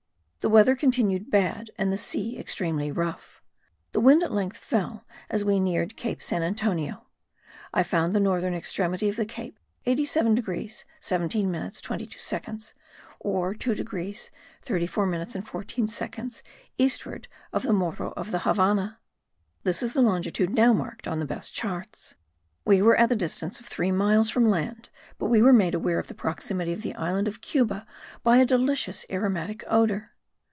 The weather continued bad and the sea extremely rough. The wind at length fell as we neared Cape St. Antonio. I found the northern extremity of the cape 87 degrees 17 minutes 22 seconds, or 2 degrees 34 minutes 14 seconds eastward of the Morro of the Havannah: this is the longitude now marked on the best charts. We were at the distance of three miles from land but we were made aware of the proximity of the island of Cuba by a delicious aromatic odour.